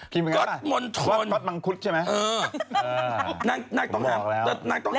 ก๊อตมังคุดใช่ไหม